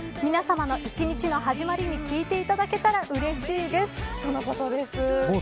皆さまの一日の始まりに聞いていただけたらうれしいですとのことです。